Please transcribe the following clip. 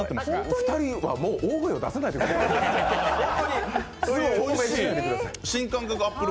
２人はもう大声を出さないでくれる？